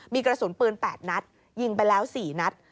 มีกระสุนปืน๘นัดยิงไปแล้ว๔นัด